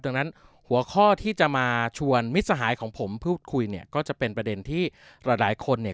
ดังนั้นหัวข้อที่จะมาชวนมิตรสหายของผมพูดคุยเนี่ยก็จะเป็นประเด็นที่หลายหลายคนเนี่ย